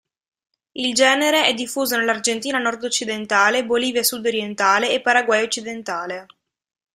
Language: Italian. Il genere è diffuso nell'Argentina nord-occidentale, Boliviasud-orientale e Paraguay occidentale.